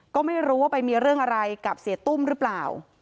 ก็ไม่รู้ว่าไปมีเรื่องอะไรกับเสียตุ้มหรือเปล่า